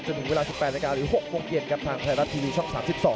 ถึงเวลา๑๘นาฬิกาหรือ๖โมงเย็นครับทางไทยรัฐทีวีช่อง๓๒